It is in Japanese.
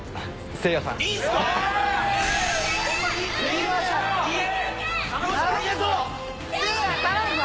せいや頼むぞ！